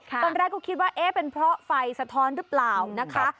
ตอนแรกก็คิดว่าเอ๊ะเป็นเพราะไฟสะท้อนหรือเปล่านะคะ